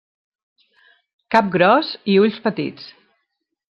Cap gros i ulls petits.